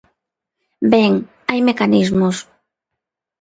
Ben, hai mecanismos.